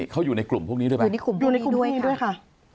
เขาอยู่ในกลุ่มพวกนี้ด้วยไหมอยู่ในกลุ่มพวกนี้ด้วยค่ะ